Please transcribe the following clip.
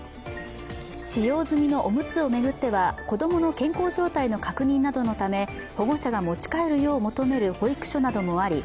使用済みのおむつを巡っては子供の健康状態の確認などのため保護者が持ち帰るよう求める保育所などもあり